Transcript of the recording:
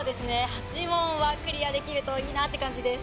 ８問はクリアできるといいなって感じです。